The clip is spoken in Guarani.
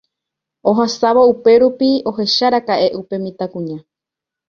ohasávo upérupi ohecháraka'e upe mitãkuña